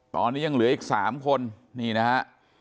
ตอนนี้ยังเหลืออีก๓คนนี่นะฮะ